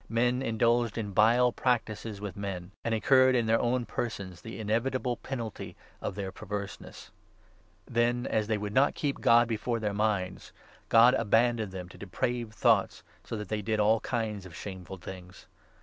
Men indulged in vile practices with men, and incurred in their own persons the inevitable penalty of their perverseness. Then, as they would not keep God before their minds, God abandoned them to depraved thoughts, so that they did all kinds of shameful things.